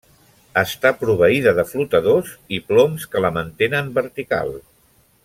Està proveïda de flotadors i ploms que la mantenen vertical.